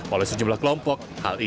oleh sejumlah kelompok